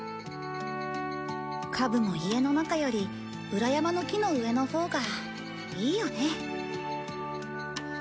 カブも家の中より裏山の木の上のほうがいいよね。